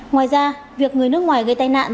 ngoài ra việc người nước ngoài gây tai nạn